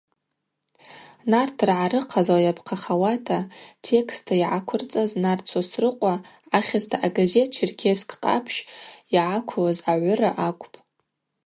Нартыргӏа рыхъазла йапхъахауата текстта йгӏаквырцӏаз Нарт Сосрыкъва ахьызта агазет Черкес къапщ йгӏаквлыз агӏвыра акӏвпӏ.